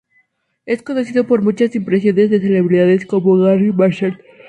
Es conocido por sus muchas impresiones de celebridades, como Garry Marshall.